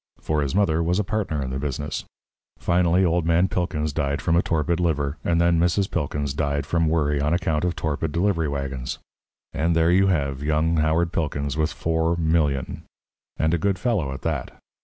For his mother was a partner in the business. Finally old man Pilkins died from a torpid liver, and then Mrs. Pilkins died from worry on account of torpid delivery waggons and there you have young Howard Pilkins with 4,000,000; and a good fellow at that.